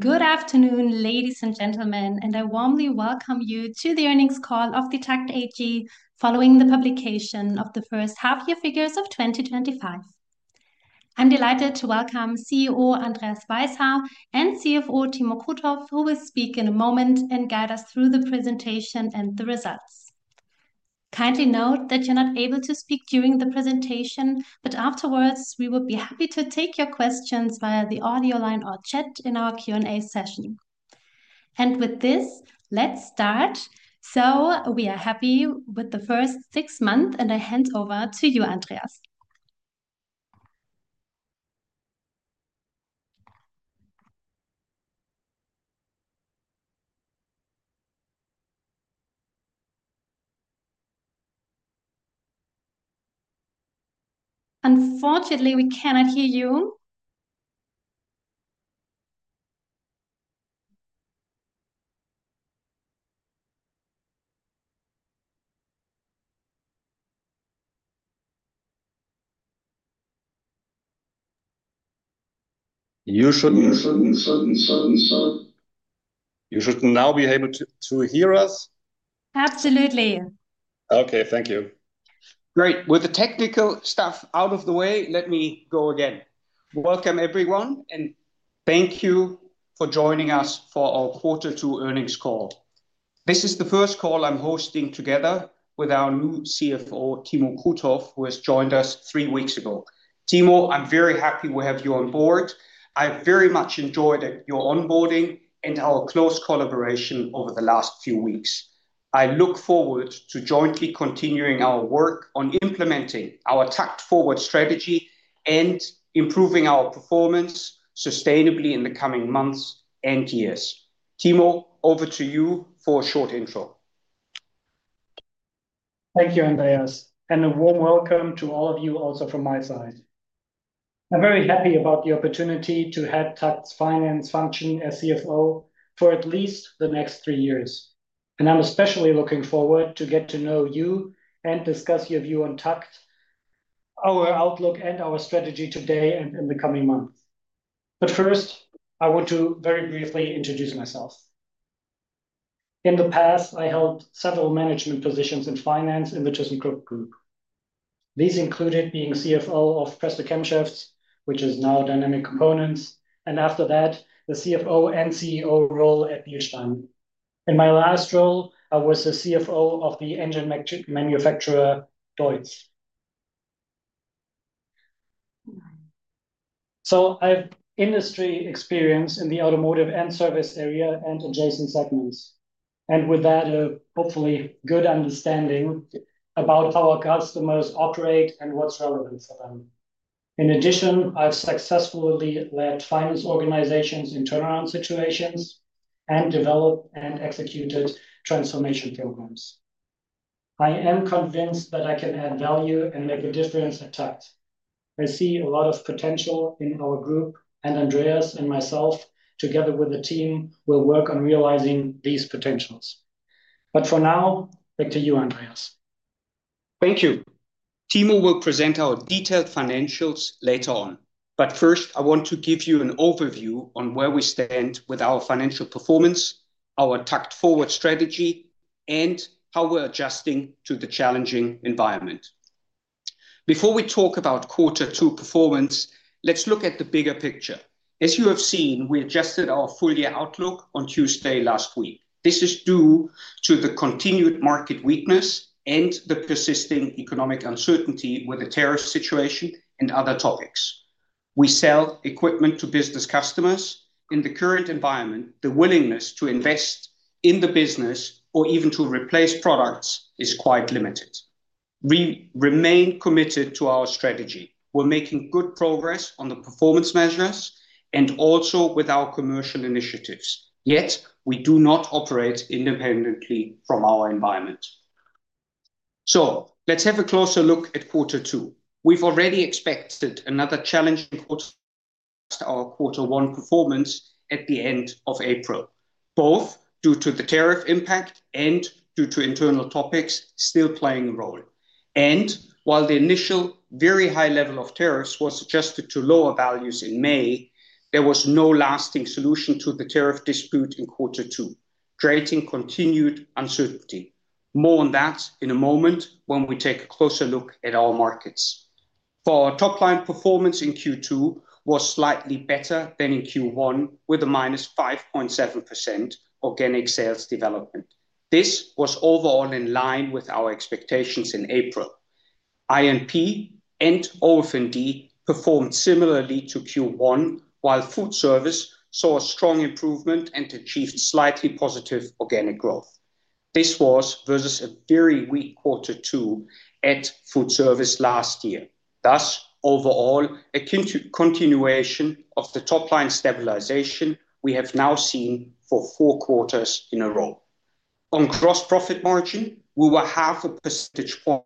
Good afternoon, ladies and gentlemen, and I warmly welcome you to the earnings call of TAKKT AG. Following the publication of the first half year figures of 2025, I'm delighted to welcome CEO Andreas Weishaar and CFO Timo Krutoff, who will speak in a moment and guide us through the presentation and the results. Kindly note that you're not able to speak during the presentation, but afterwards we would be happy to take your questions via the audio line or chat in our Q&A session. With this, let's start. We are happy with the first six months and I hand over to you, Andreas. Unfortunately, we cannot hear you. You should now be able to hear us. Absolutely. Okay, thank you. Great. With the technical stuff out of the way, let me go again. Welcome everyone and thank you for joining us for our quarter two earnings call. This is the first call I'm hosting together with our new CFO Timo Krutoff, who has joined us three weeks ago. Timo, I'm very happy we have you on board. I very much enjoyed your onboarding and our close collaboration over the last few weeks. I look forward to jointly continuing our work on implementing our TAKKT Forward strategy and improving our performance sustainably in the coming months and years. Timo, over to you for a short intro. Thank you, Andreas, and a warm welcome to all of you. Also from my side, I'm very happy about the opportunity to head TAKKT's finance, functioning as CFO for at least the next three years. I'm especially looking forward to get to know you and discuss your view on TAKKT, our outlook and our strategy today and in the coming months. First, I want to very briefly introduce myself. In the past, I held several management positions in finance in the thyssenkrupp Group. These included being CFO of Presta Camshafts, which is now Dynamic Components, and after that, the CFO and CEO role at BILSTEIN. In my last role, I was the CFO of the engine manufacturer DEUTZ. I have industry experience in the automotive and service area and adjacent segments. With that, a hopefully good understanding about how our customers operate and what's relevant. In addition, I've successfully led finance organizations in turnaround situations and developed and executed transformation programs. I am convinced that I can add value and make a difference at TAKKT. I see a lot of potential in our group and Andreas and myself together with the team will work on realizing these potentials. For now, back to you, Andreas. Thank you. Timo will present our detailed financials later on. First, I want to give you an overview on where we stand with our financial performance, our TAKKT Forward strategy, and how we're adjusting to the challenging environment. Before we talk about quarter 2 performance, let's look at the bigger picture. As you have seen, we adjusted our full year outlook on Tuesday last week. This is due to the continued market weakness and the persisting economic uncertainty with the tariff situation and other topics. We sell equipment to business customers. In the current environment, the willingness to invest in the business or even to replace products is quite limited. We remain committed to our strategy. We're making good progress on the performance measures and also with our commercial initiatives. Yet we do not operate independently from our environment. Let's have a closer look at quarter two. We already expected another challenge. Our quarter 1 performance at the end of April, both due to the tariff impact and due to internal topics still playing a role. While the initial very high level of tariffs was adjusted to lower values in May, there was no lasting solution to the tariff dispute in quarter 2, creating continued uncertainty. More on that in a moment when we take a closer look at our markets. For top line performance in Q2, it was slightly better than in Q1 with a -5.7% organic sales development. This was overall in line with our expectations in April. I&P and OF&D performed similarly to Q1, while Food Service saw a strong improvement and achieved slightly positive organic growth. This was versus a very weak quarter two at Food Service last year. Thus, overall a continuation of the top line stabilization we have now seen for four quarters in a row. On gross profit margin, we were half a percentage point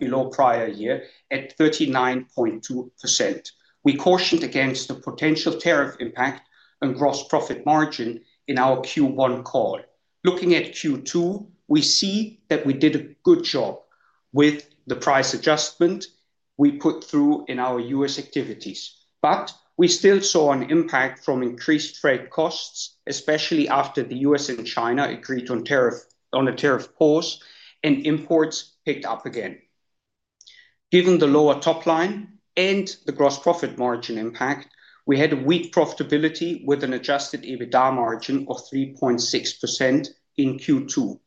below prior year at 39.2%. We cautioned against the potential tariff impact on gross profit margin in our Q1 call. Looking at Q2, we see that we did a good job with the price adjustment we put through in our U.S. activities, but we still saw an impact from increased freight costs, especially after the U.S. and China agreed on a tariff pause and imports picked up again. Given the lower top line and the gross profit margin impact, we had a weak profitability with an adjusted EBITDA margin of 3.6% in Q2.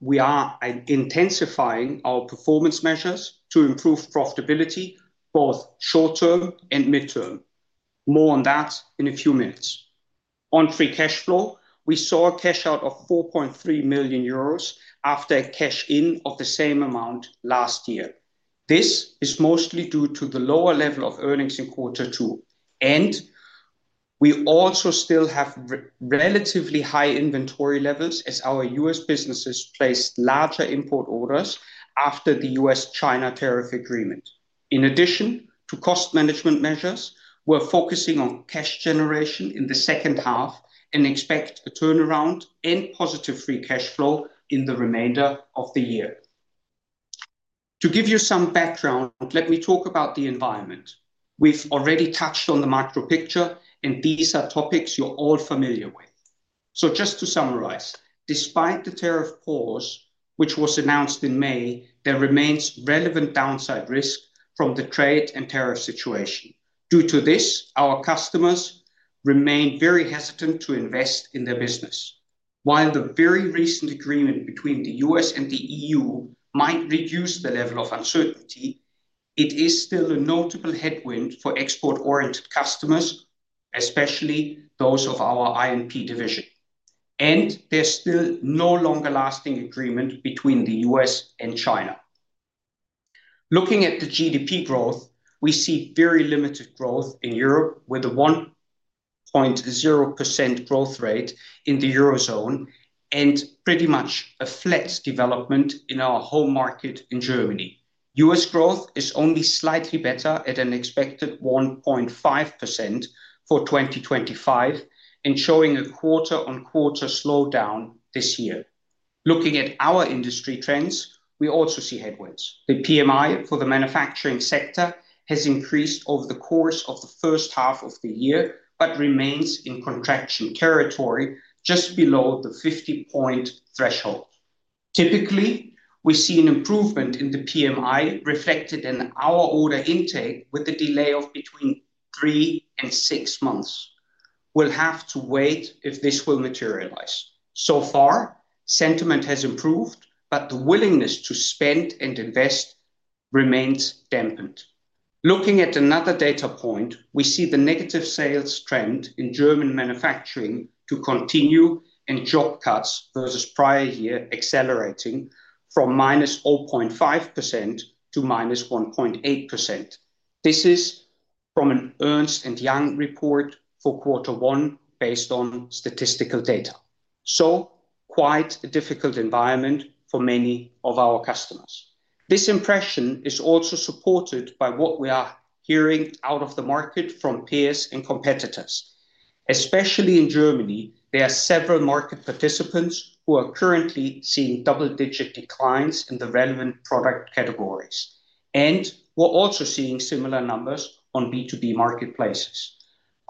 We are intensifying our performance measures to improve profitability both short term and midterm. More on that in a few minutes. On free cash flow, we saw a cash out of 4.3 million euros after a cash in of the same amount last year. This is mostly due to the lower level of earnings in quarter 2 and we also still have relatively high inventory levels as our U.S. businesses placed larger import orders after the U.S.-China Tariff Agreement. In addition to cost management measures, we're focusing on cash generation in the second half and expect a turnaround and positive free cash flow in the remainder of the year. To give you some background, let me talk about the environment. We've already touched on the macro picture, and these are topics you're all familiar with. Just to summarize, despite the tariff pause which was announced in May, there remains relevant downside risk from the trade and tariff situation. Due to this, our customers remain very hesitant to invest in their business. While the very recent agreement between the U.S. and the EU might reduce the level of uncertainty, it is still a notable headwind for export-oriented customers, especially those of our I&P division. There is still no longer lasting agreement between the U.S. and China. Looking at the GDP growth, we see very limited growth in Europe with a 1.0% growth rate in the Eurozone and pretty much a flat development in our home market. In Germany, U.S. growth is only slightly better at an expected 1.5% for 2025 and showing a quarter-on-quarter slowdown this year. Looking at our industry trends, we also see headwinds. The PMI for the manufacturing sector has increased over the course of the first half of the year, but remains in contraction territory just below the 50-point threshold. Typically, we see an improvement in the PMI reflected in our order intake with a delay of between three and six months. We'll have to wait if this will materialize. So far, sentiment has improved, but the willingness to spend and invest remains dampened. Looking at another data point, we see the negative sales trend in German manufacturing to continue and job cuts versus prior year accelerating from -0.5% to -1.8%. This is from an Ernst & Young report for quarter one based on statistical data. Quite a difficult environment for many of our customers. This impression is also supported by what we are hearing out of the market from peers and competitors, especially in Germany. There are several market participants who are currently seeing double-digit declines in the relevant product categories, and we're also seeing similar numbers on B2B marketplaces.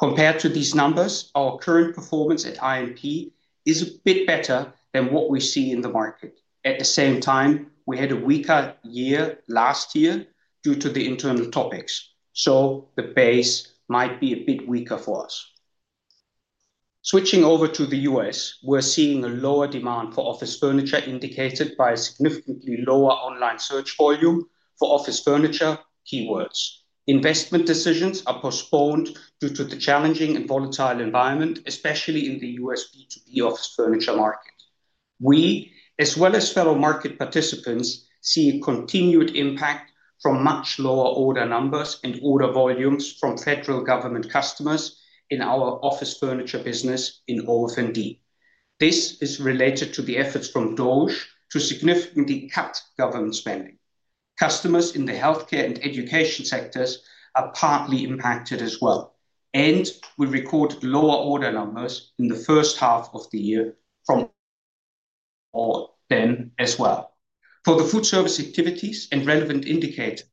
Compared to these numbers, our current performance at I&P is a bit better than what we see in the market. At the same time, we had a weaker year last year due to the internal topics, so the base might be a bit weaker for us. Switching over to the U.S., we're seeing a lower demand for office furniture indicated by a significantly lower online search volume for office furniture keywords. Investment decisions are postponed due to the challenging and volatile environment, especially in the U.S. B2B office furniture market. We, as well as fellow market participants, see continued impact from much lower order numbers and order volumes from federal government customers in our office furniture business in OF&D. This is related to the efforts from the government to significantly cut government spending. Customers in the healthcare and education sectors are partly impacted as well, and we record lower order numbers in the first half of the year from them as well for the Food Service activities and relevant indicators.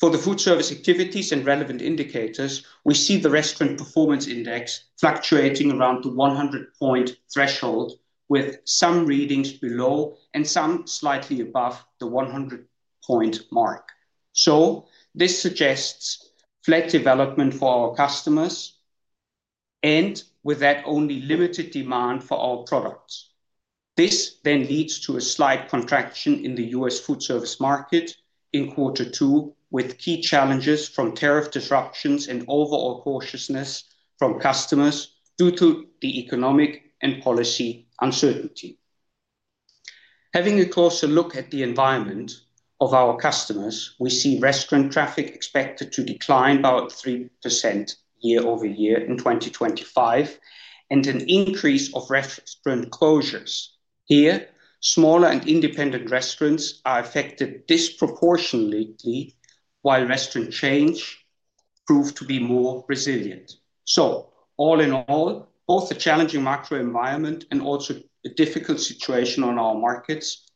For the Food Service activities and relevant indicators, we see the Restaurant Performance Index fluctuating around the 100-point threshold with some readings below and some slightly above the 100-point mark. This suggests flat development for our customers and with that only limited demand for our products. This then leads to a slight contraction in the U.S. Food Service market in quarter two with key challenges from tariff disruptions and overall cautiousness from customers due to the economic and policy uncertainty. Having a closer look at the environment of our customers, we see restaurant traffic expected to decline about 3% year-over-year in 2025 and an increase of restaurant closures here. Smaller and independent restaurants are affected disproportionately, while Western chains proved to be more resilient. All in all, both a challenging macro environment and also a difficult situation on our markets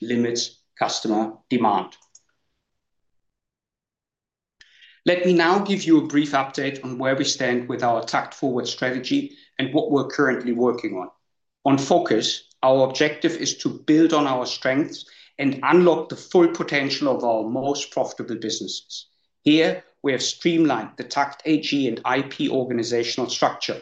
limit customer demand. Let me now give you a brief update on where we stand with our TAKKT Forward strategy and what we're currently working on. On focus, our objective is to build on our strengths and unlock the full potential of our most profitable businesses. Here, we have streamlined the TAKKT AG and IP organizational structure.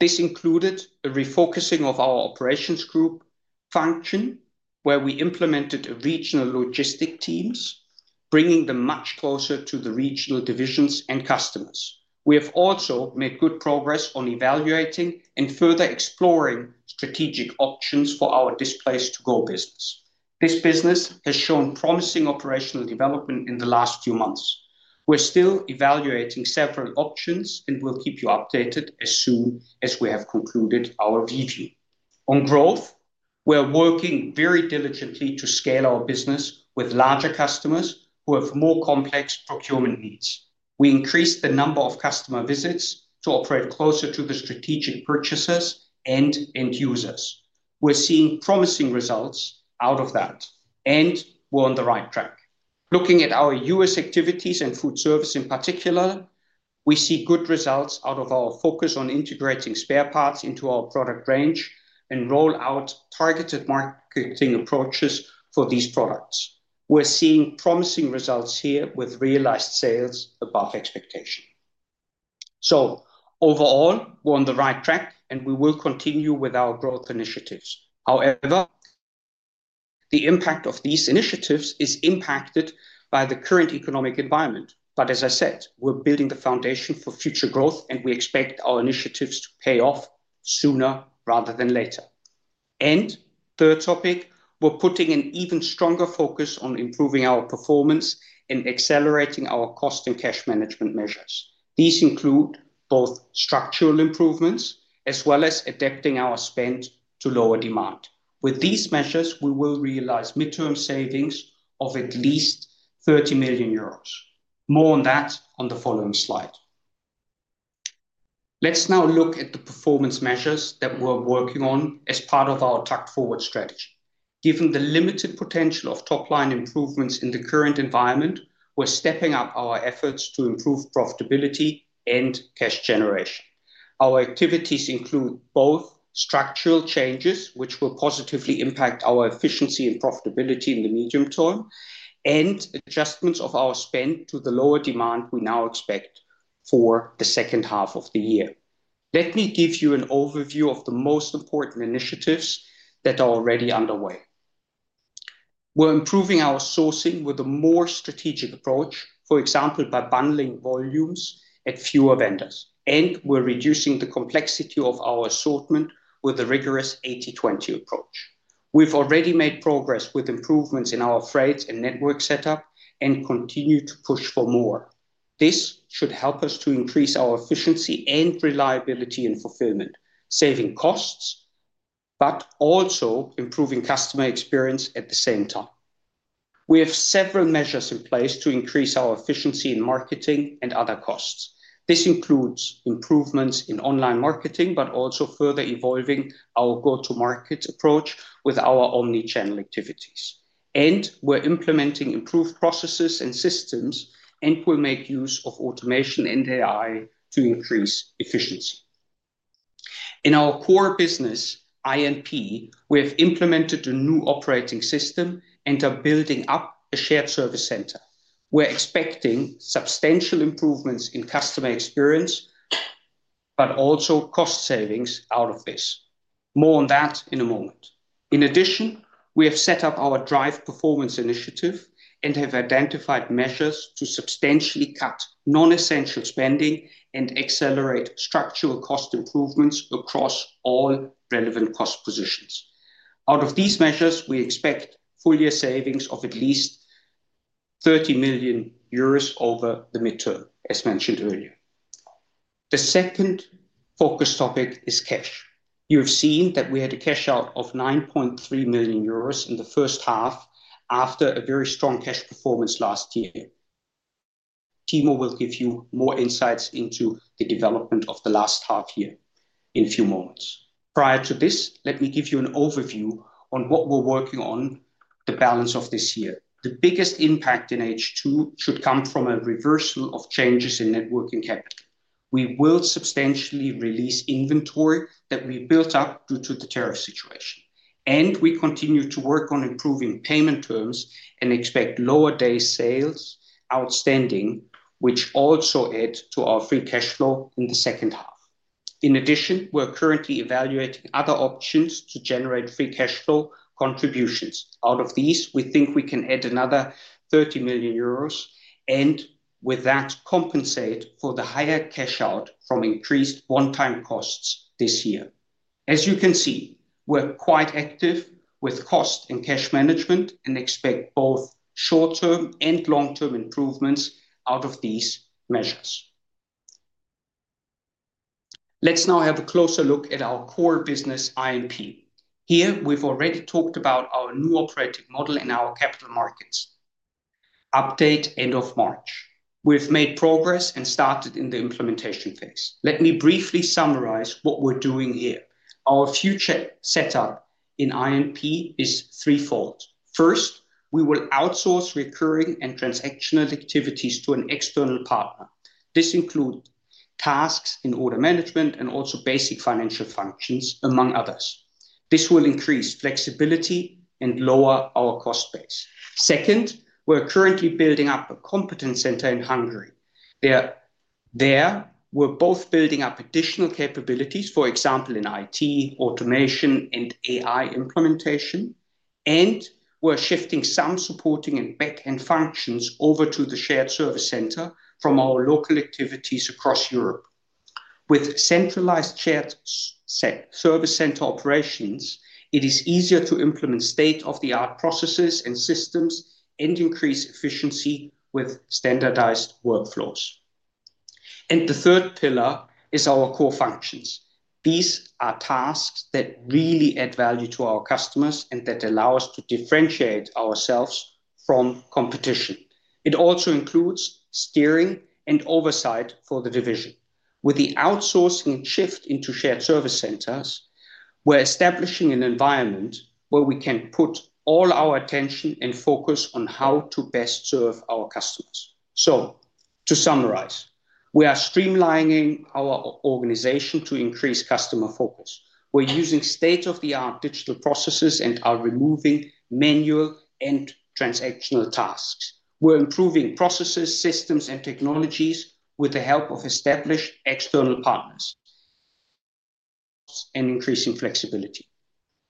This included a refocusing of our operations group function, where we implemented regional logistic teams, bringing them much closer to the regional divisions and customers. We have also made good progress on evaluating and further exploring strategic options for our display solutions business. This business has shown promising operational development in the last few months. We're still evaluating several options, and we'll keep you updated as soon as we have concluded our view on growth. We are working very diligently to scale our business with larger customers who have more complex procurement needs. We increased the number of customer visits to operate closer to the strategic purchasers and end users. We're seeing promising results out of that, and we're on the right track looking at our U.S. activities and Food Service in particular. We see good results out of our focus on integrating spare parts into our product range and rolling out targeted marketing approaches for these products. We're seeing promising results here, with realized sales above expectation, so overall, we're on the right track, and we will continue with our growth initiatives. However, the impact of these initiatives is impacted by the current economic environment. As I said, we're building the foundation for future growth, and we expect our initiatives to pay off sooner rather than later. The third topic, we're putting an even stronger focus on improving our performance and in accelerating our cost and cash management measures. These include both structural improvements as well as adapting our spend to lower demand. With these measures, we will realize mid-term savings of at least 30 million euros. More on that on the following slide. Let's now look at the performance measures that we're working on as part of our TAKKT Forward strategy. Given the limited potential of top-line improvements in the current environment, we're stepping up our efforts to improve profitability and cash generation. Our activities include both structural changes, which will positively impact our efficiency and profitability in the medium term, and adjustments of our spend to the lower demand we now expect for the second half of the year. Let me give you an overview of the most important initiatives that are already underway. We're improving our sourcing with a more strategic approach, for example, by bundling volumes at fewer vendors. We're reducing the complexity of our assortment with a rigorous 80/20 approach. We've already made progress with improvements in our freight and network setup and continue to push for more. This should help us to increase our efficiency and reliability in fulfillment, saving costs, but also improving customer experience. At the same time, we have several measures in place to increase our efficiency in marketing and other costs. This includes improvements in online marketing, but also further evolving our go-to-market approach with our omnichannel activities. We're implementing improved processes and systems and will make use of automation and AI to increase efficiency in our core business. I&P. We have implemented a new operating system and are building up a shared service center. We're expecting substantial improvements in customer experience, but also cost savings out of this. More on that in a moment. In addition, we have set up our drive performance initiative and have identified measures to substantially cut non-essential spending and accelerate structural cost improvements across all relevant cost positions. Out of these measures, we expect full-year savings of at least 30 million euros over the midterm. As mentioned earlier, the second focus topic is cash. You have seen that we had a cash out of 9.3 million euros in the first half after a very strong cash performance last year. Timo will give you more insights into the development of the last half year in a few moments. Prior to this, let me give you an overview on what we're working on the balance of this year. The biggest impact in H2 should come from a reversal of changes in net working capital. We will substantially release inventory that we built up due to the tariff situation. We continue to work on improving payment terms and expect lower days sales outstanding, which also add to our free cash flow in the second half. In addition, we're currently evaluating other options to generate free cash flow contributions. Out of these, we think we can add another 30 million euros and with that compensate for the higher cash out from increased one-time costs this year. As you can see, we're quite active with cost and cash management and expect both short-term and long-term improvements out of these measures. Let's now have a closer look at our core business I&P here. We've already talked about our new operating model in our capital markets update end of March. We've made progress and started in the implementation phase. Let me briefly summarize what we're doing here. Our future setup in I&P is threefold. First, we will outsource recurring and transactional activities to an external partner. This includes tasks in order management and also basic financial functions, among others. This will increase flexibility and lower our cost base. Second, we're currently building up a competence center in Hungary. There we're both building up additional capabilities, for example in IT automation and AI implementation, and we're shifting sound, supporting and back end functions over to the shared service center from our local activities across Europe. With centralized shared service center operations, it is easier to implement state-of-the-art processes and systems and increase efficiency with standardized workflows. The third pillar is our core functions. These are tasks that really add value to our customers and that allow us to differentiate ourselves from competition. It also includes steering and oversight for the division. With the outsourcing shift into shared service centers, we're establishing an environment where we can put all our attention and focus on how to best serve our customers. To summarize, we are streamlining our organization to increase customer focus. We're using state-of-the-art digital processes and are removing manual and transactional tasks. We're improving processes, systems and technologies with the help of established external partners and increasing flexibility.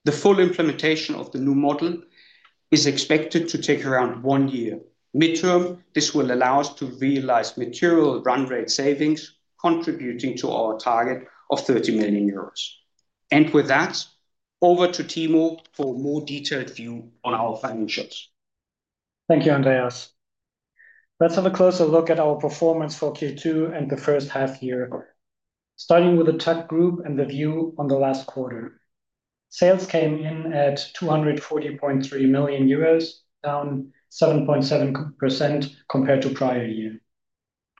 The full implementation of the new model is expected to take around one year midterm. This will allow us to realize material run rate savings contributing to our target of 30 million euros. With that, over to Timo for a more detailed view on our financials. Thank you, Andreas. Let's have a closer look at our performance for Q2 and the first half year. Starting with the TAKKT Group and the view on the last quarter, sales came in at 240.3 million euros, down 7.7% compared to prior year.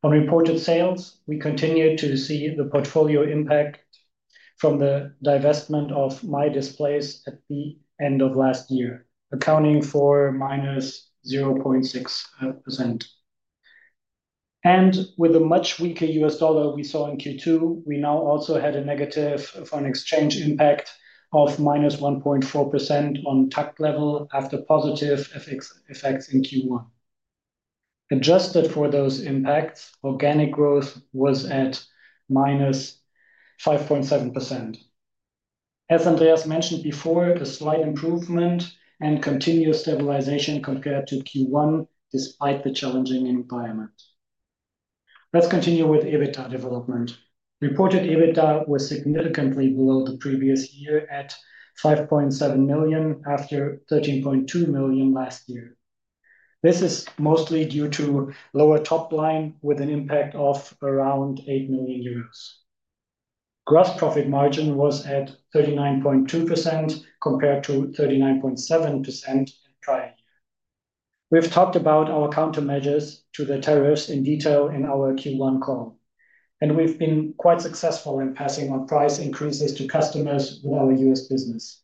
On reported sales, we continue to see the portfolio impact from the divestment of MyDisplays at the end of last year, accounting for -0.6%, and with the much weaker U.S. dollar we saw in Q2. We now also had a negative foreign exchange impact of -1.4% on TAKKT level after positive effects in Q1. Adjusted for those impacts, organic growth was at -5.7% as Andreas mentioned before, a slight improvement and continued stabilization compared to Q1 despite the challenging environment. Let's continue with EBITDA development. Reported EBITDA was significantly below the previous year at 5.7 million after 13.2 million last year. This is mostly due to lower top line with an impact of around 8 million euros. Gross profit margin was at 39.2% compared to 39.7% in prior year. We've talked about our countermeasures to the tariffs in detail in our Q1 call and we've been quite successful in passing on price increases to customers while the U.S. business,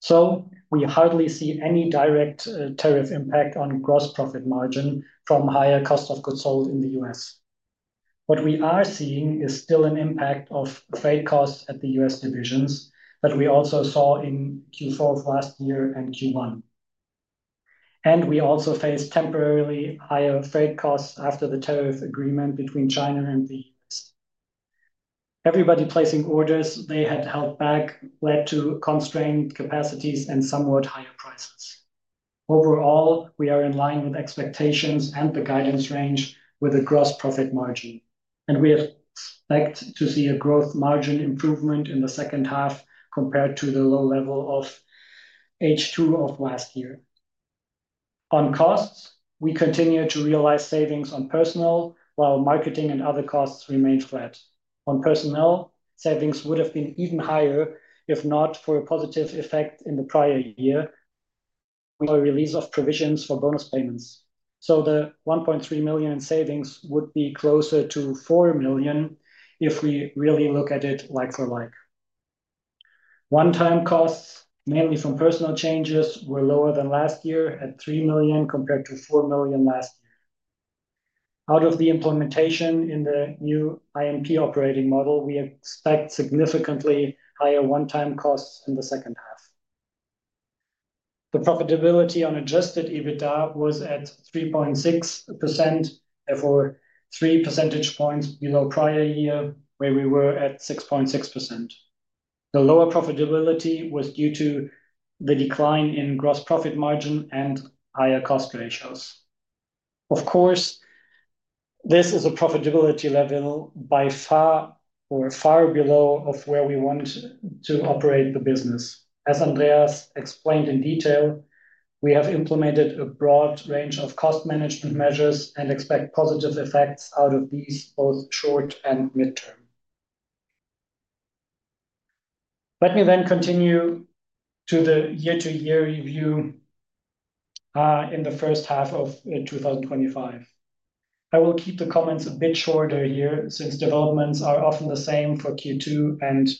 so we hardly see any direct tariff impact on gross profit margin from higher cost of goods sold in the U.S. What we are seeing is still an impact of freight costs at the U.S. divisions that we also saw in Q4 of last year and Q1, and we also faced temporarily higher freight costs after the tariff agreement between China and the EU. Everybody placing orders they had held back led to constrained capacities and somewhat higher prices. Overall, we are in line with expectations and the guidance range with a gross profit margin, and we expect to see a gross margin improvement in the second half compared to the low level of H2 of last year. On costs, we continue to realize savings on personnel while marketing and other costs remained flat. On personnel, savings would have been even higher if not for a positive effect in the prior year for release of provisions for bonus payments. So the 1.3 million savings would be closer to 4 million if we really look at it like-for-like. One-time costs mainly from personnel changes were lower than last year at 3 million compared to 4 million last year. Out of the implementation in the new I&P operating model, we expect significantly higher one-time costs in the second half. The profitability on adjusted EBITDA was at 3.6%, therefore 3 percentage points below prior year where we were at 6.6%. The lower profitability was due to the decline in gross profit margin and higher cost ratios. Of course, this is a profitability level far below where we want to operate the business. As Andreas explained in detail, we have implemented a broad range of cost management measures and expect positive effects out of these both short and midterm. Let me then continue to the year-to-year review in the first half of 2025. I will keep the comments a bit shorter here since developments are often the same for Q2 and the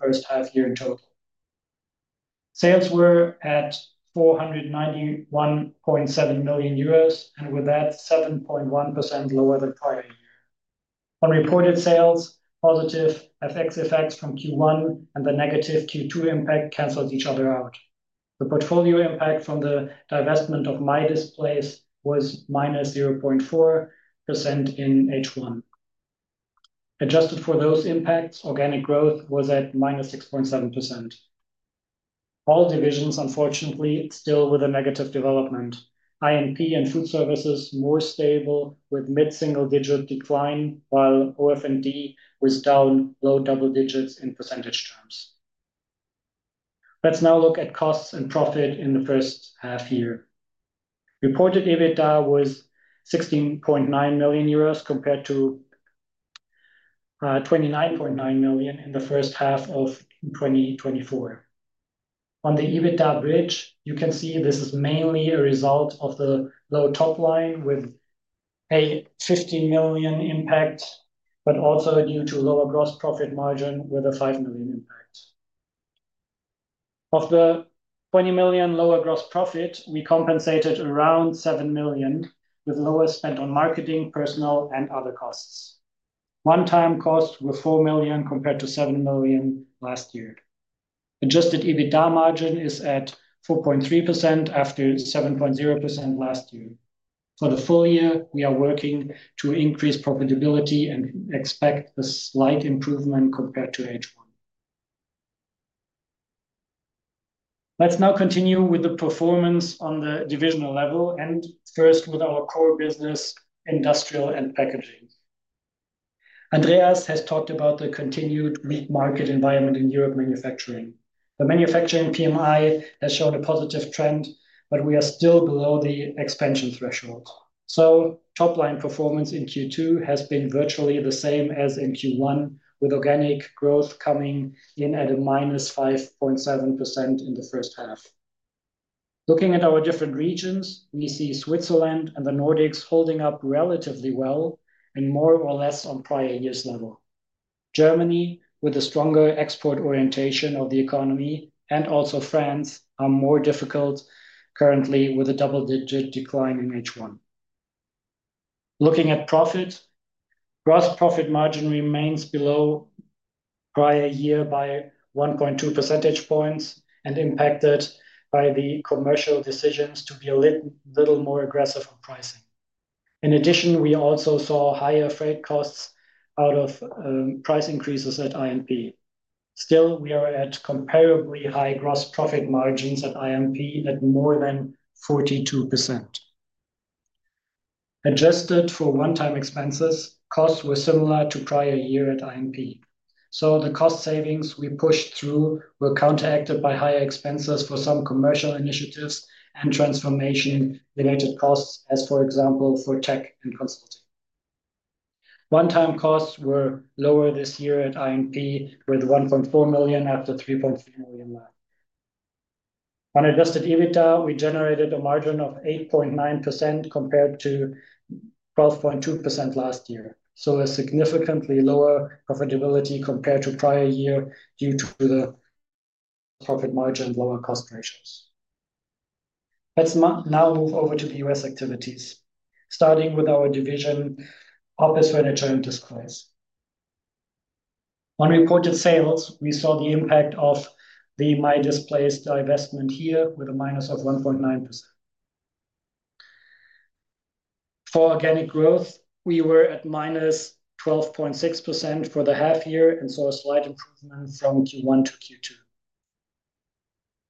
first half year. In total, sales were at 491.7 million euros and with that 7.1% lower than prior year on reported sales. Positive FX effects from Q1 and the negative Q2 impact cancel each other out. The portfolio impact from the divestment of MyDisplays was -0.4% in H1. Adjusted for those impacts, organic growth was at -6.7%. All divisions unfortunately still with a negative development. I&P and Food Services more stable with mid single-digit decline while OF&D was down low double-digits in percentage terms. Let's now look at costs and profit in the first half year. Reported EBITDA was 16.9 million euros compared to 29.9 million in the first half of 2024. On the EBITDA bridge, you can see this is mainly a result of the low top line with a 15 million impact but also due to lower gross profit margin with a 5 million impact. Of the 20 million lower gross profit, we compensated around 7 million with lower spend on marketing, personnel, and other costs. One-time costs were 4 million compared to 7 million last year. Adjusted EBITDA margin is at 4.3% after 7.0% last year. For the full year, we are working to increase profitability and expect a slight improvement compared to H1. Let's now continue with the performance on the divisional level and first with our core business industrial and packaging. Andreas has talked about the continued weak market environment in Europe. The manufacturing PMI has shown a positive trend but we are still below the expansion threshold. Top line performance in Q2 has been virtually the same as in Q1 with organic growth coming in at minus 5.7% in the first half. Looking at our different regions, we see Switzerland and the Nordics holding up relatively well and more or less on prior year's level. Germany, with a stronger export orientation of the economy, and also France are more difficult currently with a double-digit decline in H1. Looking at profit, gross profit margin remains below prior year by 1.2 percentage points and impacted by the commercial decisions to be a little more aggressive on pricing. In addition, we also saw higher freight costs out of price increases at I&P. Still, we are at comparably high gross profit margins at I&P at more than 42% adjusted for one-time expenses. Costs were similar to prior year at I&P, so the cost savings we pushed through were counteracted by higher expenses for some commercial initiatives and transformation-related costs, as for example for tech and consulting. One-time costs were lower this year at I&P with 1.4 million. After 3.3 million on adjusted EBITDA, we generated a margin of 8.9% compared to 12.2% last year, so a significantly lower profitability compared to prior year due to the profit margin lower cost ratios. Let's now move over to the U.S. activities starting with our division Office Furniture and Displays. On reported sales, we saw the impact of the MyDisplays divestment here with a -1.9%. For organic growth, we were at -12.6% for the half year and saw a slight improvement from Q1 to Q2.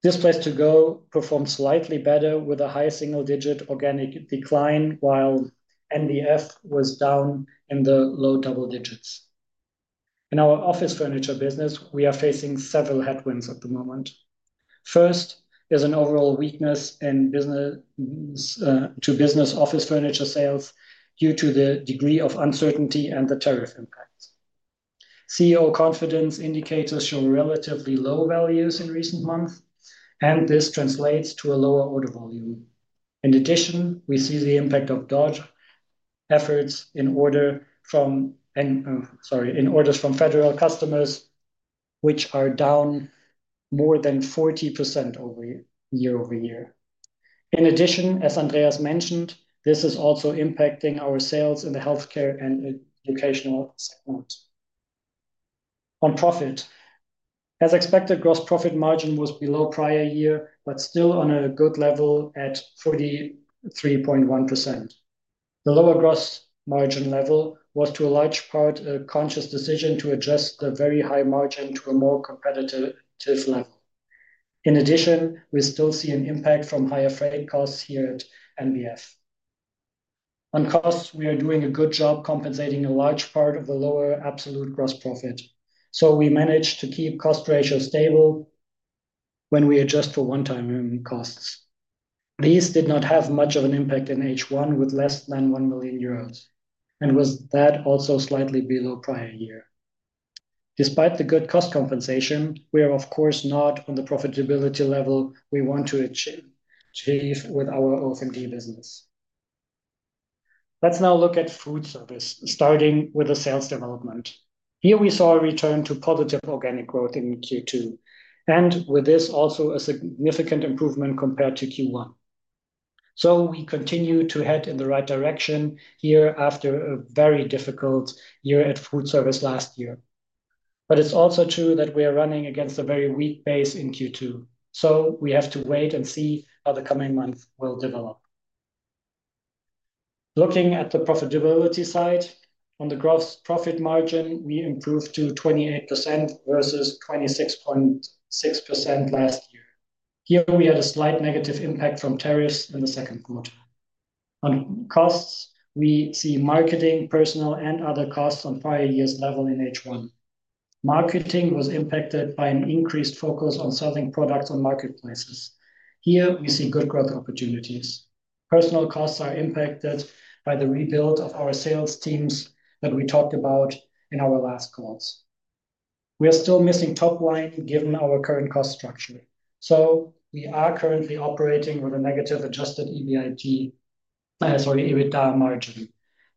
Displays2Go performed slightly better with a high single-digit organic decline while NBF was down in the low double digits. In our office furniture business, we are facing several headwinds at the moment. First is an overall weakness to business office furniture sales due to the degree of uncertainty and the tariff impacts. CEO confidence indicators show relatively low values in recent months and this translates to a lower order volume. In addition, we see the impact of reduced efforts in orders from federal customers, which are down more than 40% year-over-year. In addition, as Andreas Weishaar mentioned, this is also impacting our sales in the healthcare and educational sector. On profit, as expected, gross profit margin was below prior year but still on a good level at 43.1%. The lower gross margin level was to a large part a conscious decision to adjust the very high margin to a more competitive level. In addition, we still see an impact from higher freight costs here at NBF. On costs, we are doing a good job compensating a large part of the lower absolute gross profit, so we managed to keep cost ratio stable when we adjust for one-time costs. These did not have much of an impact in H1 with less than 1 million euros and was that also slightly below prior year despite the good cost compensation. We are of course not on the profitability level we want to achieve with our OF&D business. Let's now look at Food Service starting with the sales development here. We saw a return to positive organic growth in Q2, and with this also a significant improvement compared to Q1. We continue to head in the right direction here after a very difficult year at Food Service last year. It's also true that we are running against a very weak base in Q2, so we have to wait and see how the coming months will develop. Looking at the profitability side, on the gross profit margin we improved to 28% versus 26.6% last year. Here we had a slight negative impact from tariffs in the second quarter. On costs, we see marketing, personnel, and other costs on prior year's level. In H1, marketing was impacted by an increased focus on selling products on marketplaces. Here we see good growth opportunities. Personnel costs are impacted by the rebuild of our sales teams that we talked about in our last calls. We are still missing top line given our current cost structure. We are currently operating with a negative adjusted EBITDA margin.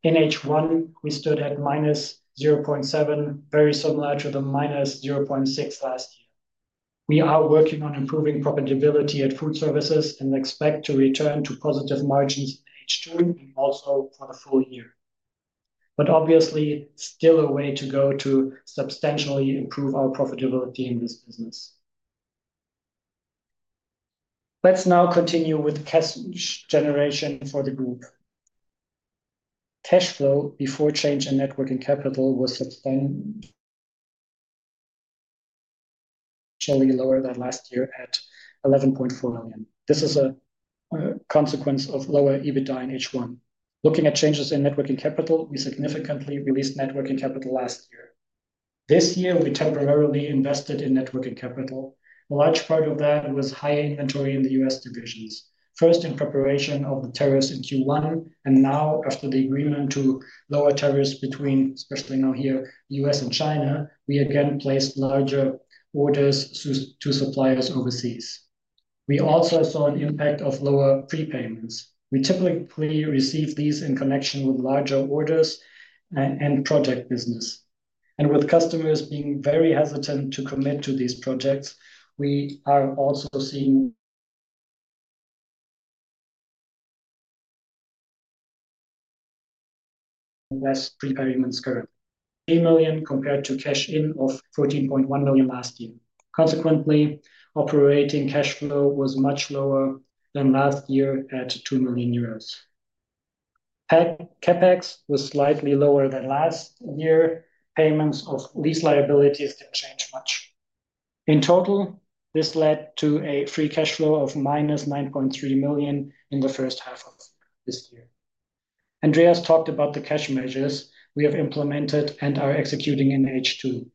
In H1, we stood at -0.7%, very similar to the -0.6% last year. We are working on improving profitability at Food Service and expect to return to positive margins soon and also for the full year, but obviously still a way to go to substantially improve our profitability in this business. Let's now continue with cash generation for the group. Cash flow before change in working capital was substantially lower than last year at 11.4 million. This is a consequence of lower EBITDA in H1. Looking at changes in working capital, we significantly released working capital last year. This year, we temporarily invested in working capital. A large part of that was high inventory in the U.S. divisions, first in preparation of the tariffs in Q1, and now after the agreement to lower tariffs between especially now here U.S. and China, we again placed larger orders to suppliers overseas. We also saw an impact of lower fee payments. We typically receive these in connection with larger orders and project business, and with customers being very hesitant to commit to these projects. We are also seeing million compared to cash in of 14.1 million mostly. Consequently, operating cash flow was much lower than last year at 2 million euros. CapEx was slightly lower than last year. Payments of lease liabilities didn't change much. In total. This led to a free cash flow of -9.3 million in the first half of this year. Andreas talked about the cash measures we have implemented and are executing in H2.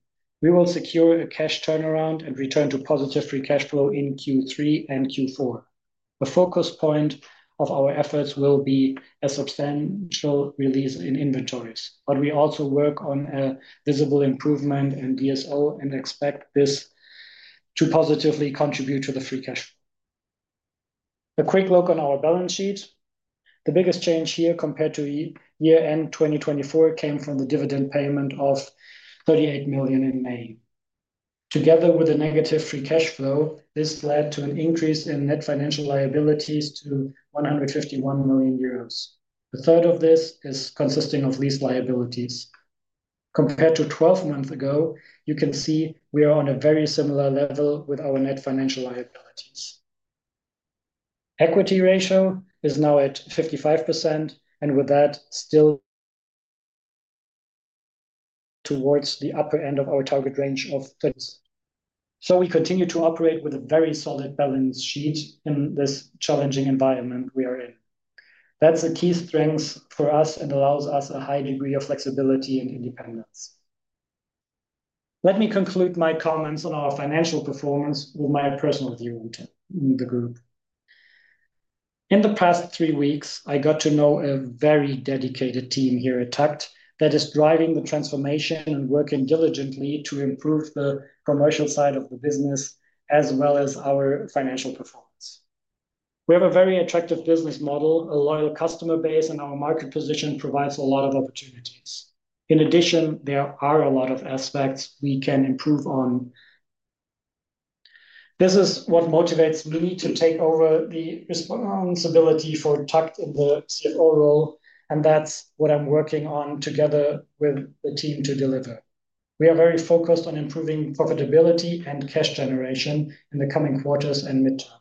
We will secure a cash turnaround and return to positive free cash flow in Q3 and Q4. The focus point of our efforts will be a substantial release in inventories, but we also work on a visible improvement in DSO and expect this to positively contribute to the free cash flow. A quick look on our balance sheet. The biggest change here compared to year end 2023 came from the dividend payment of 38 million in May. Together with the negative free cash flow, this led to an increase in net financial liabilities to 151 million euros. A third of this is consisting of lease liabilities. Compared to 12 months ago, you can see we are on a very similar level with our net financial liabilities. Equity ratio is now at 55% and with that still towards the upper end of our target range of 60%. We continue to operate with a very solid balance sheet in this challenging environment we are in. That is a key strength for us and allows us a high degree of flexibility and independence. Let me conclude my comments on our financial performance or my personal view in the group. In the past three weeks I got to know a very dedicated team here at TAKKT that is driving the transformation and working diligently to improve the commercial side of the business as well as our financial performance. We have a very attractive business model, a loyal customer base and our market position provides a lot of opportunities. In addition, there are a lot of aspects we can improve on. This is what motivates me to take over the responsibility for TAKKT in the CFO role and that's what I'm working on together with the team to deliver. We are very focused on improving profitability and cash generation in the coming quarters and midterm.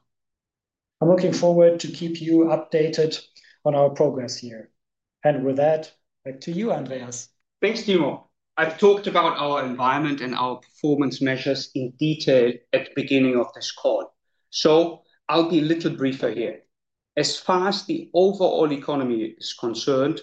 I'm looking forward to keep you updated on our progress here. With that, back to you, Andreas. Thanks, Timo. I've talked about our environment and our performance measures in detail at the beginning of this call, so I'll be a little briefer here. As far as the overall economy is concerned,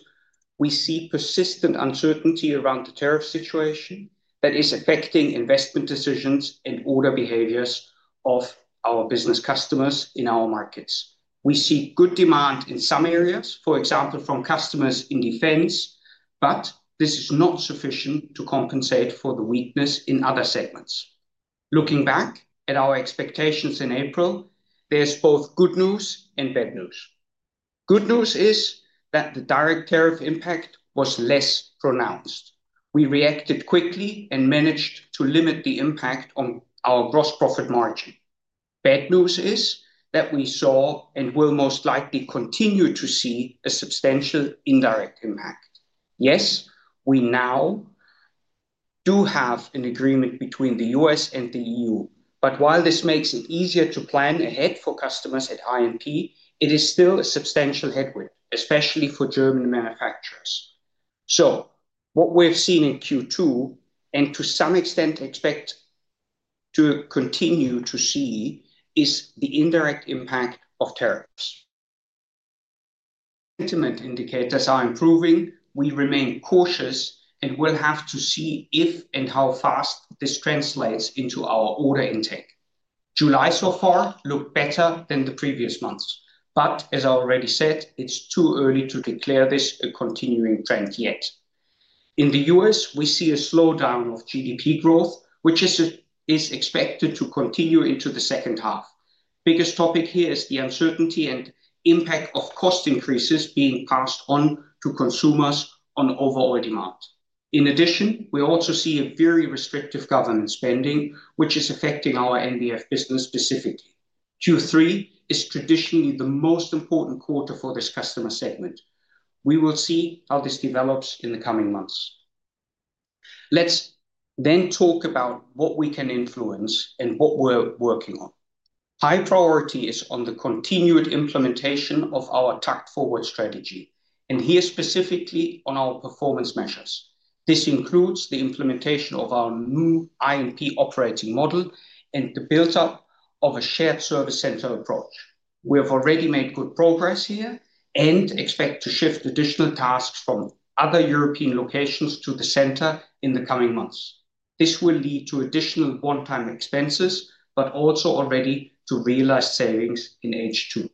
we see persistent uncertainty around the tariff situation that is affecting investment decisions and order behaviors of our business customers in our markets. We see good demand in some areas, for example from customers in defense, but this is not sufficient to compensate for the weakness in other segments. Looking back at our expectations in April, there's both good news and bad news. The good news is that the direct tariff impact was less pronounced. We reacted quickly and managed to limit the impact on our gross profit margin. The bad news is that we saw and will most likely continue to see a substantial indirect impact. Yes, we now do have an agreement between the U.S. and the EU. While this makes it easier to plan ahead for customers at I&P, it is still a substantial headwind, especially for German manufacturers. What we have seen in Q2 and to some extent expect to continue to see is the indirect impact of tariffs. Impediment indicators are improving. We remain cautious and we'll have to see if and how fast this translates into our order intake. July so far looked better than the previous months, but as I already said, it's too early to declare this a continuing trend yet. In the U.S., we see a slowdown of GDP growth which is expected to continue into the second half. The biggest topic here is the uncertainty and impact of cost increases being passed on to consumers on overall demand. In addition, we also see very restrictive government spending which is affecting our NBF business. Specifically, Q3 is traditionally the most important quarter for this customer segment. We will see how this develops in the coming months. Let's then talk about what we can influence and what we're working on. High priority is on the continued implementation of our TAKKT Forward strategy and here specifically on our performance measures. This includes the implementation of our new I&P operating model and the build up of a shared service center approach. We have already made good progress here and expect to shift additional tasks from other European locations to the center in the coming months. This will lead to additional one-time expenses, but also already to realized savings in H2.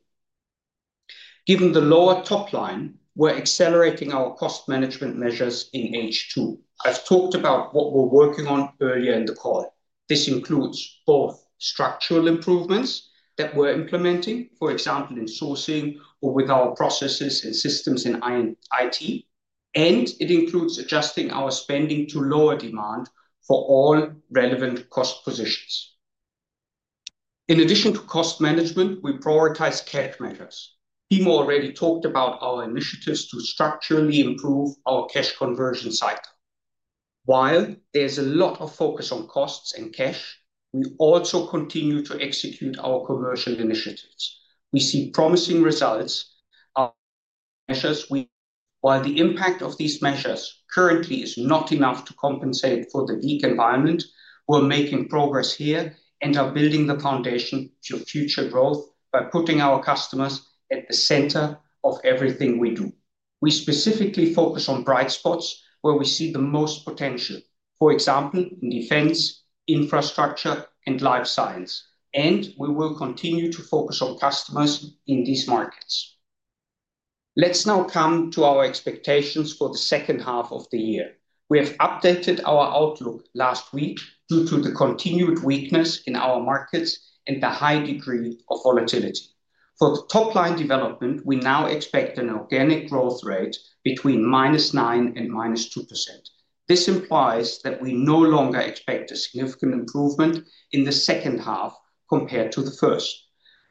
Given the lower top line, we're accelerating our cost management measures in H2. I've talked about what we're working on earlier in the call. This includes both structural improvements that we're implementing, for example in sourcing or with our processes and systems in IT, and it includes adjusting our spending to lower demand for all relevant cost positions. In addition to cost management, we prioritize cash measures. Timo already talked about our initiatives to structurally improve our cash conversion cycle. While there's a lot of focus on costs and cash, we also continue to execute our commercial initiatives. We see promising results. While the impact of these measures currently is not enough to compensate for the weak environment, we are making progress here and are building the foundation for future growth. By putting our customers at the center of everything we do, we specifically focus on bright spots where we see the most potential, for example in defense, infrastructure, and life science, and we will continue to focus on customers in these markets. Let's now come to our expectations for the second half of the year. We have updated our outlook last week. Due to the continued weakness in our markets and the high degree of volatility for top line development, we now expect an organic growth rate between -9% and -2%. This implies that we no longer expect a significant improvement in the second half compared to the first.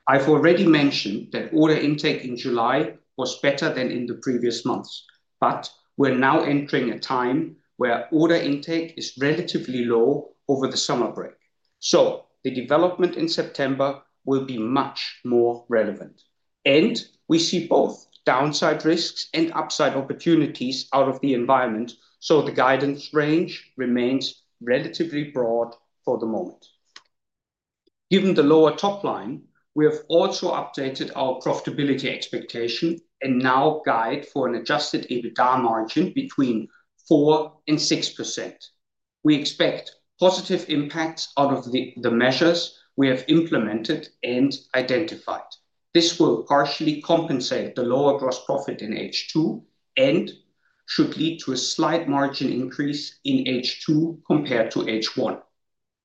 I've already mentioned that order intake in July was better than in the previous months, but we're now entering a time where order intake is relatively low over the summer break, so the development in September will be much more relevant and we see both downside risks and upside opportunities out of the environment. The guidance range remains relatively broad for the moment given the lower top line. We have also updated our profitability expectation and now guide for an adjusted EBITDA margin between 4% and 6%. We expect positive impacts out of the measures we have implemented and identified. This will partially compensate the lower gross profit in H2 and should lead to a slight margin increase in H2 compared to H1.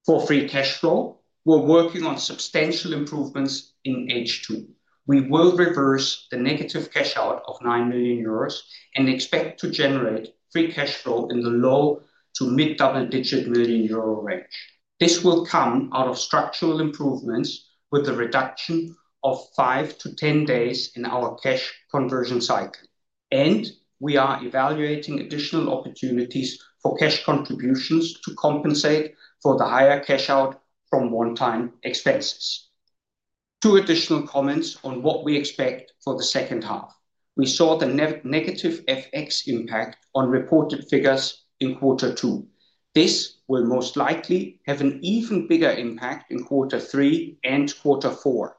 For free cash flow, we're working on substantial improvements in H2. We will reverse the negative cash out of 9 million euros and expect to generate free cash flow in the low to mid double-digit million euro range. This will come out of structural improvements with the reduction of five to 10 days in our cash conversion cycle, and we are evaluating additional opportunities for cash contributions to compensate for the higher cash out from one-time expenses. Two additional comments on what we expect for the second half: we saw the negative FX impact on reported figures in quarter two. This will most likely have an even bigger impact in quarter three and quarter four.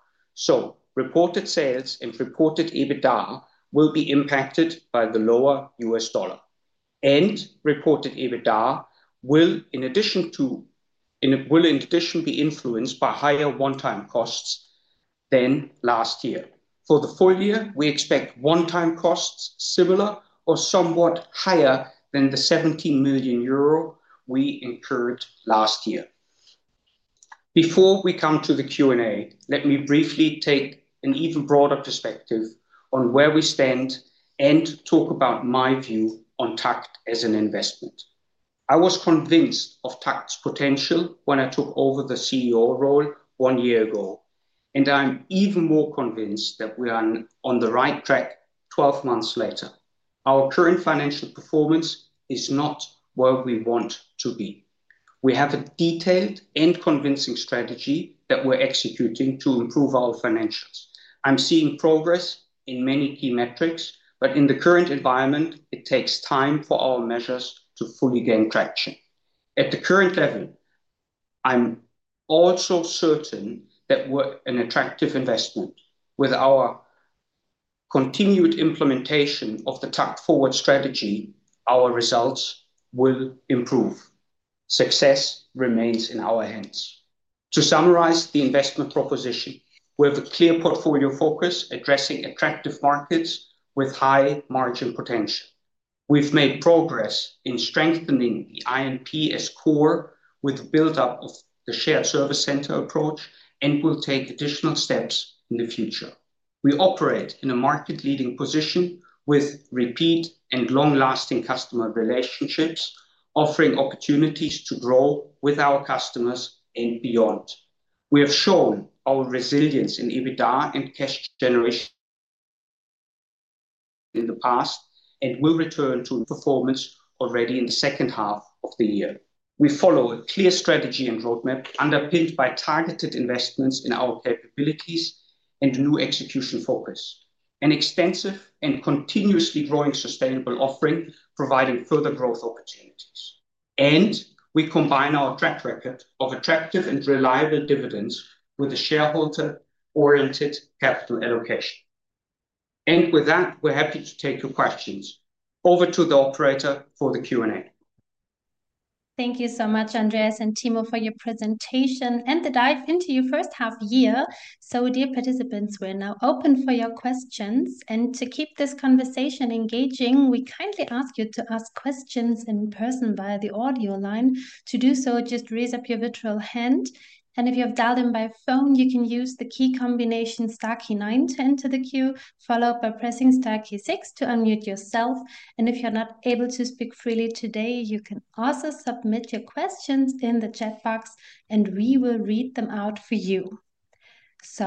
Reported sales and reported EBITDA will be impacted by the lower U.S. dollar, and reported EBITDA will in addition be influenced by higher one-time costs than last year. For the full year, we expect one-time costs similar or somewhat higher than the 17 million euro we incurred last year. Before we come to the Q&A, let me briefly take an even broader perspective on where we stand and talk about my view on TAKKT as an investment. I was convinced of TAKKT's potential when I took over the CEO role one year ago, and I'm even more convinced that we are on the right track 12 months later. Our current financial performance is not where we want to be. We have a detailed and convincing strategy that we're executing to improve our financials. I'm seeing progress in many key metrics, but in the current environment it takes time for our measures to fully gain traction. At the current level, I'm also certain that we're an attractive investment. With our continued implementation of the TAKKT Forward strategy, our results will improve. Success remains in our hands. To summarize the investment proposition, we have a clear portfolio focus addressing attractive markets with high margin potential. We've made progress in strengthening I&P as core with the buildup of the shared service center approach and will take additional steps in the future. We operate in a market-leading position with repeat and long-lasting customer relationships, offering opportunities to grow with our customers and beyond. We have shown our resilience in EBITDA and cash generation in the past and will return to performance already in the second half of the year. We follow a clear strategy and roadmap underpinned by targeted investments in our capabilities and new execution focus, an extensive and continuously growing sustainable offering providing further growth opportunities, and we combine our track record of attractive and reliable dividends with a shareholder-oriented capital allocation. We're happy to take your questions over to the operator for the Q&A. Thank you so much, Andreas and Timo, for your presentation and the dive into your first half year. Dear participants, we're now open for your questions, and to keep this conversation engaging, we kindly ask you to ask questions in person via the audio line. To do so, just raise up your virtual hand, and if you have dialed in by phone, you can use the key combination star key nine to enter the queue, followed by pressing star key six to unmute yourself. If you're not able to speak freely today, you can also submit your questions in the chat box, and we will read them out for you.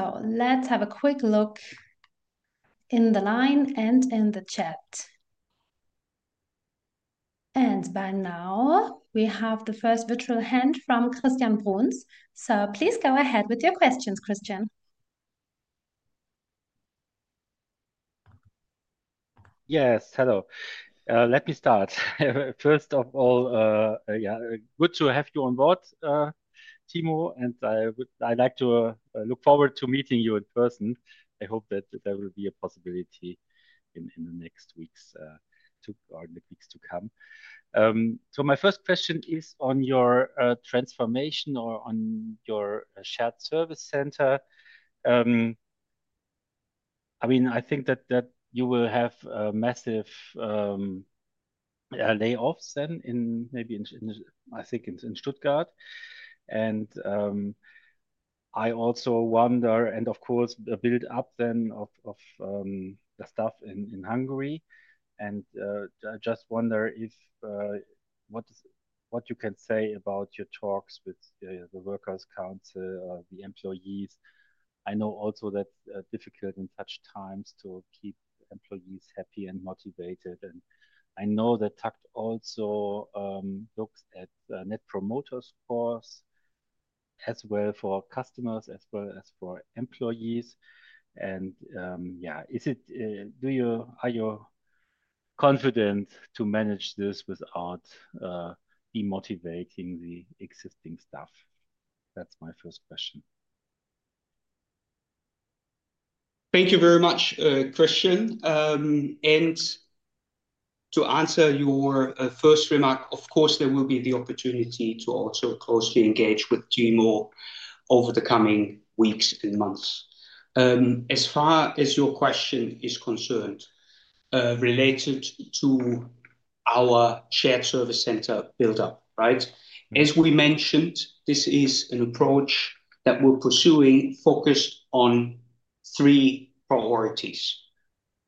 Let's have a quick look in the line and in the chat, and by now we have the first virtual hand from Christian Bruns. Please go ahead with your questions, Christian. Yes, hello. Let me start. First of all, good to have you on board, Timo, and I would like to look forward to meeting you in person. I hope that there will be a possibility in the next weeks or weeks to come. My first question is on your transformation or on your shared service center. I think that you will have massive layoffs then in maybe Stuttgart, and I also wonder about the build up of the staff in Hungary. I just wonder what you can say about your talks with the works council, the employees. I know also that it is difficult in such times to keep employees happy and motivated. I know that TAKKT also looks at net promoter scores for customers as well as for employees. Are you confident to manage this without demotivating the existing staff? That's my first question. Thank you very much, Christian. To answer your first remark, of course there will be the opportunity to also closely engage with Timo over the coming weeks and months. As far as your question is concerned related to our shared service center buildup, this is an approach that we're pursuing focused on three priorities.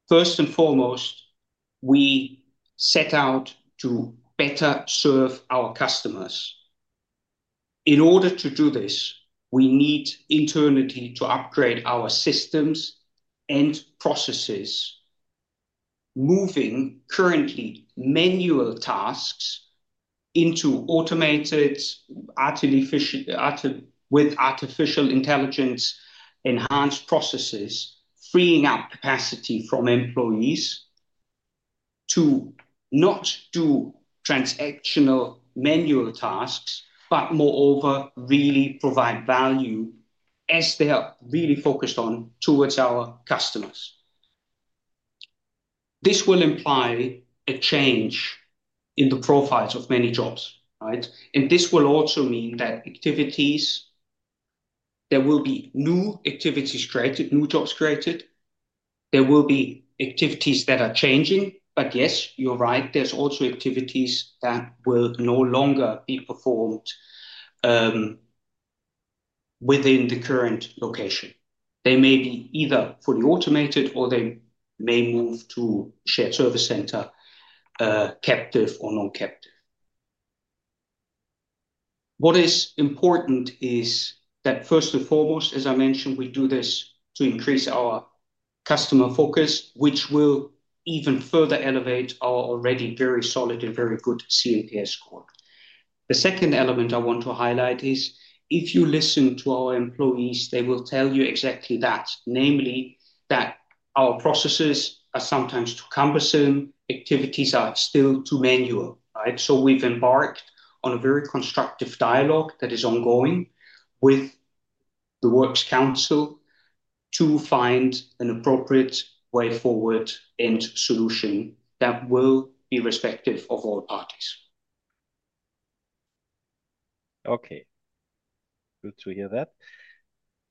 First and foremost, we set out to better serve our customers. In order to do this, we need internally to upgrade our systems and processes, moving currently manual tasks into automated, artificial intelligence-enhanced processes. Freeing up capacity from employees to not do transactional manual tasks, but moreover really provide value as they are really focused towards our customers. This will imply a change in the profiles of many jobs, and this will also mean that activities—there will be new activities created, new jobs created, there will be activities that are changing. Yes, you're right, there's also activities that will no longer be performed within the current location. They may be either fully automated or they may move to shared service center, captive or non-captive. What is important is that first and foremost, as I mentioned, we do this to increase our customer focus, which will even further elevate our already very solid and very good cNPS score. The second element I want to highlight is if you listen to our employees, they will tell you exactly that, namely that our processes are sometimes too cumbersome, activities are still too manual. Right? We have embarked on a very constructive dialogue that is ongoing with the works council to find an appropriate way forward and solution that will be respective of all parties. Okay, good to hear that.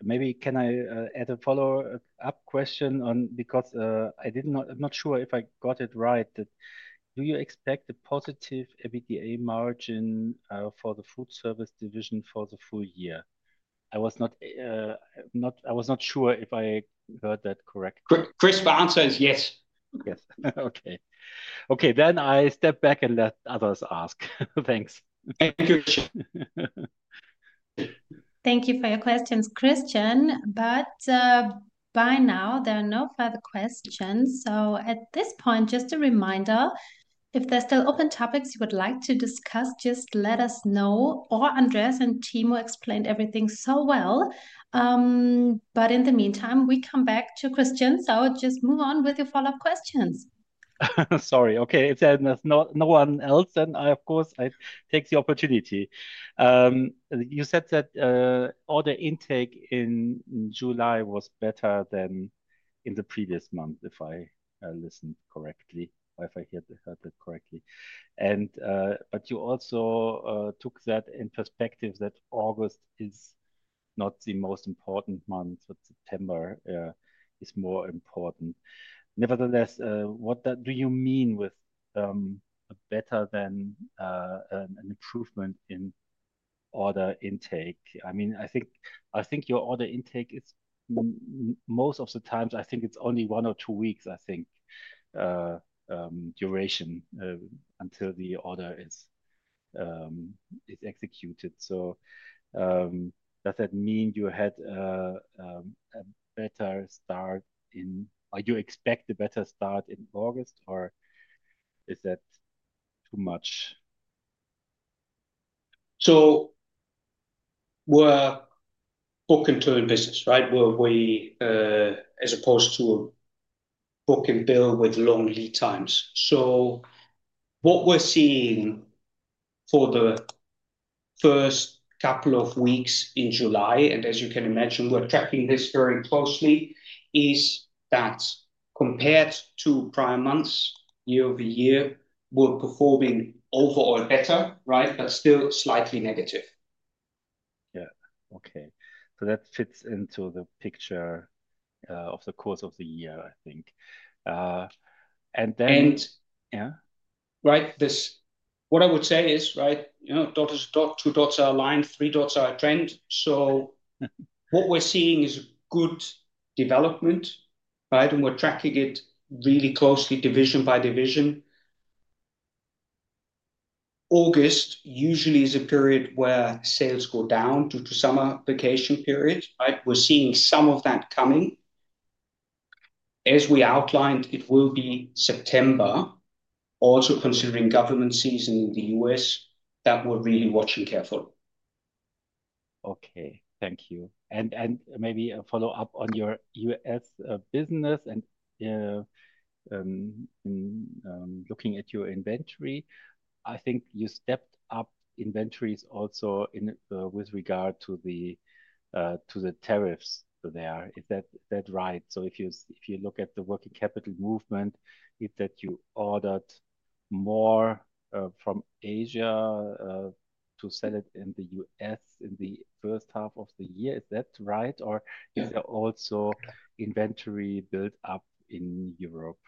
Maybe can I add a follow up question because I did not, I'm not sure if I got it right. Do you expect a positive EBITDA margin for the Food Service division for the full year? I was not sure if I heard that correct, Chris. My answer is yes. Okay. I step back and let others ask. Thanks. Thank you for your questions, Christian. By now there are no further questions. At this point, just a reminder, if there's still open topics you would like to discuss, just let us know. Andreas and Timo explained everything so well. In the meantime, we come back to Christian, so just move on with your follow up questions. Sorry. Okay. If there's no one else, then I of course take the opportunity. You said that order intake in July was better than in the previous month, if I listen correctly or if I heard that correctly. You also took that in perspective that August is not the most important month, but September is more important nevertheless. What do you mean with better than an improvement in order intake? I mean, I think your order intake is most of the times, I think it's only one or two weeks duration until the order is executed. Does that mean you had a better start in or do you expect a better start in August or is that too much? We're book and turn business, right, as opposed to book and bill with long lead times. What we're seeing for the first couple of weeks in July, and as you can imagine we're tracking this very closely, is that compared to prior months year-over-year, we're performing overall better, right, but still slightly negative. Okay, so that fits into the picture of the course of the year, I think. Yeah, right. What I would say is right, you know, two dots are aligned, three dots are a trend. What we're seeing is a good development. Right. We are tracking it really closely division by division. August usually is a period where sales go down due to the summer vacation period. Right. We're seeing some of that coming as we outlined. It will be September, also considering government season in the U.S. That would really watch me careful. Thank you. Maybe a follow up on your U.S. business and looking at your inventory, I think you stepped up inventories also with regard to the tariffs there. Is that right? If you look at the working capital movement, is that you ordered more from Asia to sell it in the U.S. in the first half of the year, is that right? Or is there also inventory build up in Europe?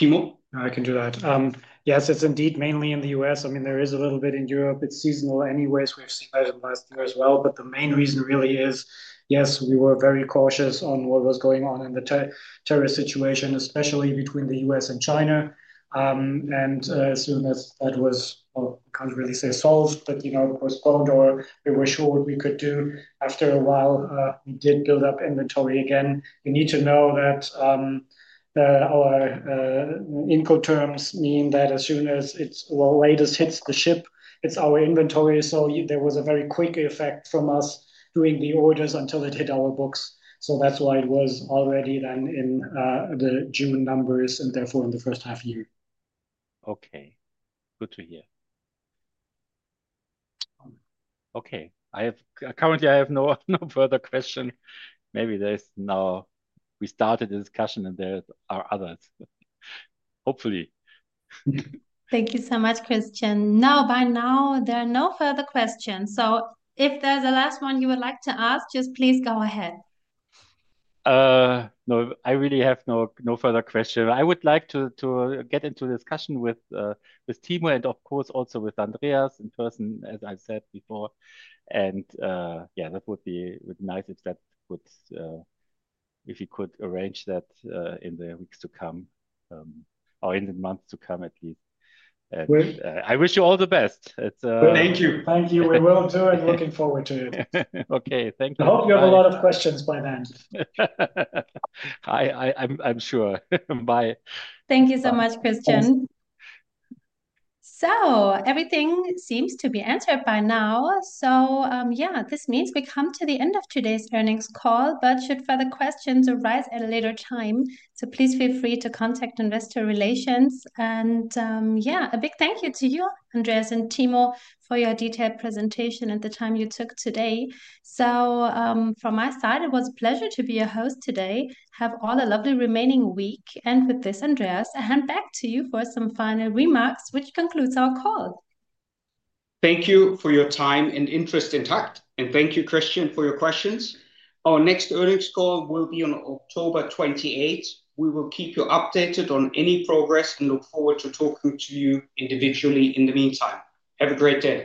Timo? I can do that. Yes. It's indeed mainly in the U.S. I mean there is a little bit in Europe. It's seasonal anyways, we've seen as well. The main reason really is yes, we were very cautious on what was going on in the tariff situation, especially between the U.S. and China. As soon as that was, can't really say solved, but you know, postponed or we were sure what we could do. After a while we did build up inventory. Again, you need to know that our incoterms mean that as soon as it latest hits the ship, it's our inventory. There was a very quick effect from us doing the orders until it hit our books. That's why it was already then in the June numbers and therefore in the first half year. Okay, good to hear. I have currently, I have no. No further question. Maybe now we started the discussion and there are others hopefully. Thank you so much, Christian. By now there are no further questions, so if there's a last one you would like to ask, just please go ahead. No, I really have no further question. I would like to get into discussion with Timo and of course also with Andreas in person as I said before. That would be nice if you could arrange that in the weeks to come or in the months to come. At least I wish you all the best. Thank you. Thank you. We will do, and looking forward to it. Okay, thank you. I hope you have a lot of questions by then. I'm sure. Bye. Thank you so much, Christian. Everything seems to be answered by now. This means we come to the end of today's earnings call. Should further questions arise at a later time, please feel free to contact investor relations. A big thank you to you, Andreas and Timo, for your detailed presentation and the time you took today. From my side, it was a pleasure to be your host today. Have all a lovely remaining week. With this, Andreas, I hand back to you for some final remarks which concludes our call. Thank you for your time and interest in TAKKT and thank you, Christian, for your questions. Our next earnings call will be on October 28. We will keep you updated on any progress and look forward to talking to you individually. In the meantime, have a great day.